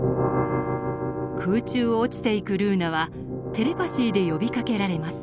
空中を落ちていくルーナはテレパシーで呼びかけられます。